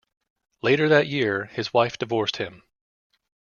Later that year, his wife divorced him.